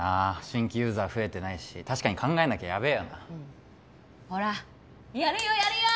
新規ユーザー増えてないし確かに考えなきゃやべえよなほらやるよやるよ！